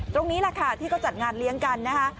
ตรงนี้แหละค่ะที่ก็จัดงานเลี้ยงกันนะคะ